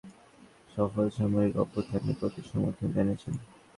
তাঁর শাসনামলে ঘটা বেশির ভাগ সফল সামরিক অভ্যুত্থানের প্রতি সমর্থন জানিয়েছেন।